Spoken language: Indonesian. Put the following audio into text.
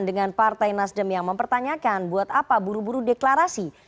dengan partai nasdem yang mempertanyakan buat apa buru buru deklarasi